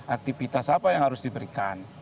aktivitas apa yang harus diberikan